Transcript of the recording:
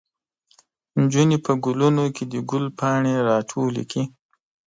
نجونې په ګلونو کې د ګل پاڼې راټولې کړې.